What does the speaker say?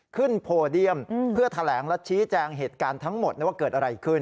โพเดียมเพื่อแถลงและชี้แจงเหตุการณ์ทั้งหมดว่าเกิดอะไรขึ้น